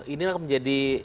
ini akan menjadi